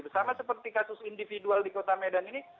sama seperti kasus individual di kota medan ini